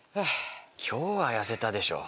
今日は痩せたでしょ。